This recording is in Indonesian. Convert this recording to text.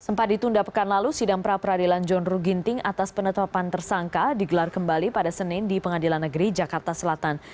sempat ditunda pekan lalu sidang pra peradilan john ruh ginting atas penetapan tersangka digelar kembali pada senin di pengadilan negeri jakarta selatan